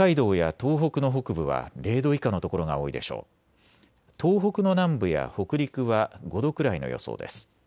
東北の南部や北陸は５度くらいの予想です。